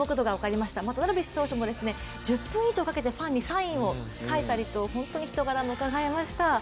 またダルビッシュ投手も１０分以上かけてファンにサインを書いたりと本当に人柄もうかがえました。